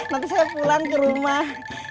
waktu saya pulang ke rumah